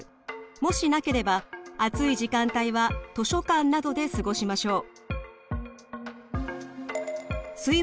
もしなければ暑い時間帯は図書館などで過ごしましょう。